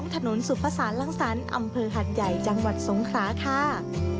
ถนนสุภาษาลังสรรค์อำเภอหัดใหญ่จังหวัดสงคราค่ะ